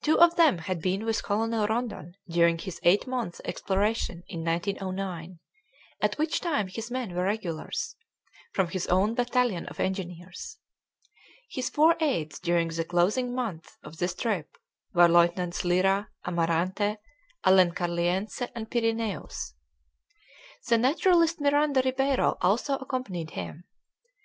Two of them had been with Colonel Rondon during his eight months' exploration in 1909, at which time his men were regulars, from his own battalion of engineers. His four aides during the closing months of this trip were Lieutenants Lyra, Amarante, Alencarliense, and Pyrineus. The naturalist Miranda Ribeiro also accompanied him.